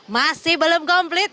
masih belum komplit